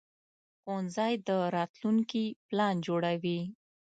ښوونځی د راتلونکي پلان جوړوي